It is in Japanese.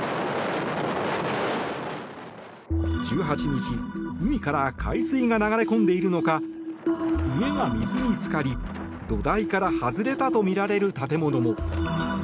１８日、海から海水が流れ込んでいるのか家が水につかり土台から外れたとみられる建物も。